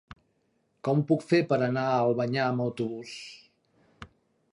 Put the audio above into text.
Com ho puc fer per anar a Albanyà amb autobús?